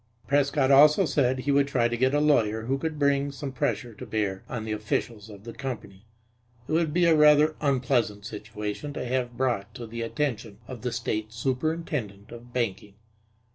Prescott also said he would try to get a lawyer who could bring some pressure to bear on the officials of the company. It would be a rather unpleasant situation to have brought to the attention of the State Superintendent of Banking.